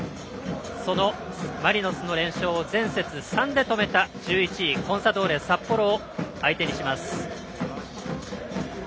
そのマリノスの連勝を前節、３で止めた１１位、コンサドーレ札幌を相手にします。